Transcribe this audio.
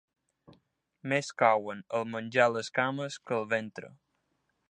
Més couen el menjar les cames que el ventre.